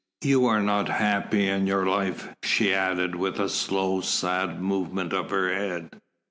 "You are not happy in your life," she added, with a slow, sad movement of her head.